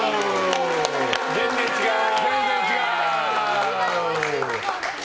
全然違う。